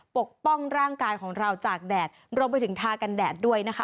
ปกป้องร่างกายของเราจากแดดรวมไปถึงทากันแดดด้วยนะคะ